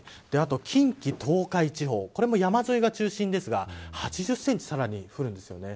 近畿、東海地方これも山沿いが中心ですが８０センチ、さらに降ります。